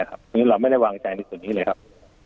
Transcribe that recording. อันนี้เราไม่ได้วางใจในส่วนนี้เลยครับ